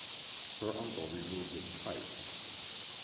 Her uncle removed his pipe.